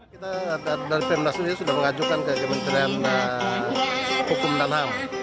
kita dari pemda sendiri sudah mengajukan ke kementerian hukum dan ham